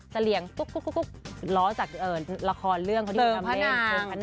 เสลี่ยงตุ๊กร้อนจากเอ่อละครเรื่องเขาที่ทำเล่น